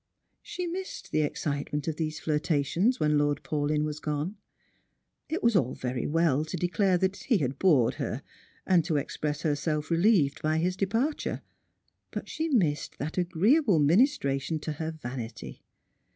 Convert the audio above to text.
She missed the excitement of these flirtatious when Lord Paulyn was gone. It was all very well to declare that he had bored her, and to express herself relieved by his departure ; but she missed that agreeable ministration to her vanity.